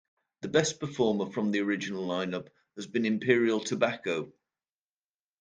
The best performer from the original lineup has been Imperial Tobacco.